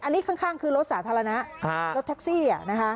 อันนี้ข้างคือรถสาธารณะรถแท็กซี่